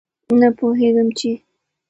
نه پوهېږم چې